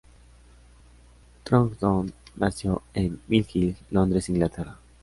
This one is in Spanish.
Troughton nació en Mill Hill, Londres, Inglaterra.